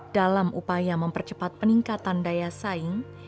dalam upaya mempercepat peningkatan daya saing